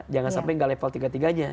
jangan sampai nggak level tiga tiganya